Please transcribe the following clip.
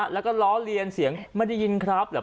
แล้วก็ล้อเลียนเสียงไม่ได้ยินครับ